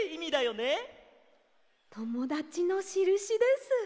ともだちのしるしです。